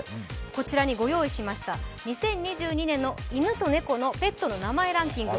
こちらにご用意しました、２０２２年の犬と猫のペットの名前ランキング。